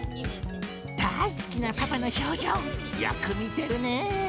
大好きなパパの表情、よく見てるね。